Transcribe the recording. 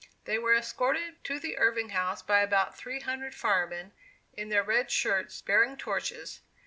They were escorted to the Irving House by about three hundred firemen, in their red shirts, bearing torches.